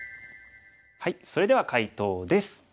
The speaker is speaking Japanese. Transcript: それでは解答です。